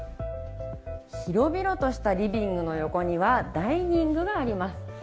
広々としたリビングの横にはダイニングがあります。